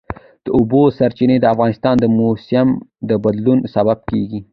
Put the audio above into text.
د اوبو سرچینې د افغانستان د موسم د بدلون سبب کېږي.